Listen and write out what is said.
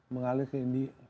mengalir ke india